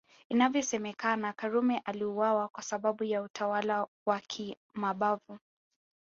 Inavyosemekana Karume aliuawa kwa sababu ya utawala wa kimabavu